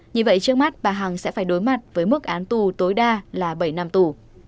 như vậy trước mắt bà hằng sẽ phải đối mặt với mức án tù tối đa là bảy năm tù